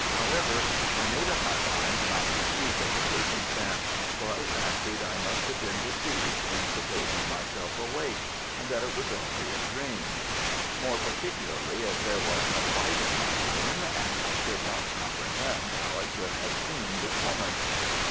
However, I made up my mind not to speak of the circumstance, for I fancied I must have been deceived in supposing myself awake, and that it was only a dream; more particularly as there was no light in my room, and I could not comprehend how I could have seen this woman.